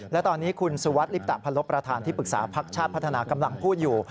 และตอนนี้คุณสุวัสดิลิปตะพันลบประธานที่ปรึกษาพักชาติพัฒนากำลังพูดอยู่